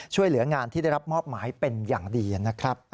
ช่วยเหลืองานที่ได้รับมอบหมายเป็นอย่างดีนะครับ